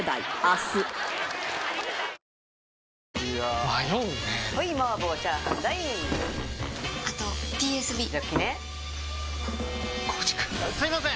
すいません！